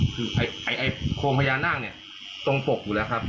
คือโครงพยาน่างตรงปกอยู่แล้วครับ